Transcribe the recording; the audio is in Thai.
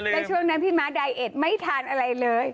แล้วช่วงนั้นพี่ม้าไดเอ็ดไม่ทานอะไรเลย